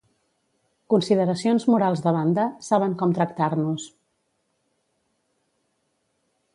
Consideracions morals de banda, saben com tractar-nos.